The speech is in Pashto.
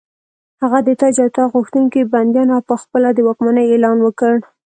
هغه د تاج او تخت غوښتونکي بندیان او په خپله د واکمنۍ اعلان وکړ.